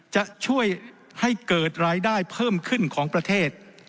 จะช่วยให้เกิดรายได้เพิ่มขึ้นของประเทศ